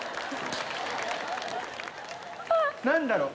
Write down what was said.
何だろう？